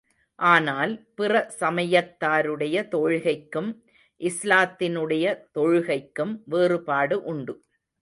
ஆனால், பிற சமயத்தாருடைய தொழுகைக்கும், இஸ்லாத்தினுடைய தொழுகைக்கும் வேறுபாடு உண்டு.